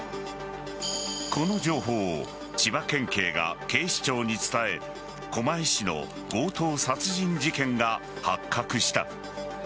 この情報を千葉県警が警視庁に伝え狛江市の強盗殺人事件が発覚した。